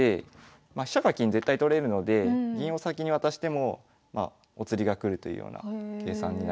まあ飛車か金絶対取れるので銀を先に渡してもお釣りが来るというような計算になります。